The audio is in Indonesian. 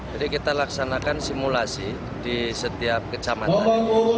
jadi kita laksanakan simulasi di setiap kecamatan